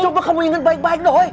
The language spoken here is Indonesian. coba kamu inget baik baik doi